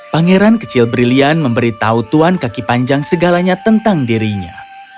pangeran kecil brilian memberitahu tuan kaki panjang segalanya tentang dirinya